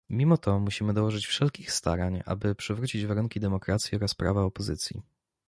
Mimo to, musimy dołożyć wszelkich starań, aby przywrócić warunki demokracji oraz prawa opozycji